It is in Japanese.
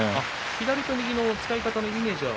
左と右の使い方のイメージは。